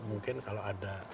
mungkin kalau ada